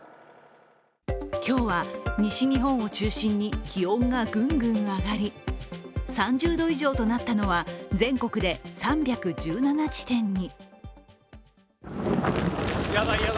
今日は西日本を中心に気温がぐんぐん上がり３０度以上となったのは全国で３１７地点に。